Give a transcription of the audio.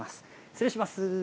失礼します。